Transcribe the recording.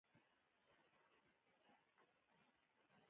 وريځ کمه وه نو نمر يې ډېر نۀ شو پټولے ـ